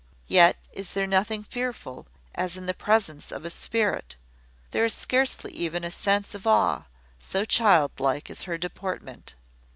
Yet is there nothing fearful, as in the presence of a spirit; there is scarcely even a sense of awe, so childlike is her deportment.